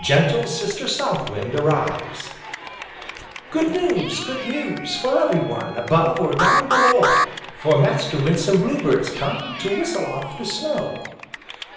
GENTLE SISTER SOUTH WIND ARRIVES "Good news, good news for every one, above or down below, For Master Winsome Bluebird's come to whistle off the snow!"